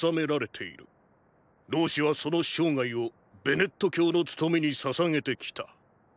老師はその生涯をベネット教の勤めに捧げてきた。